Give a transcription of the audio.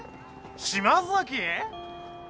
島崎？